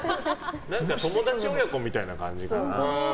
友達親子みたいな感じかな。